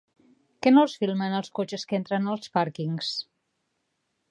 Que no els filmen, els cotxes que entren als pàrquings?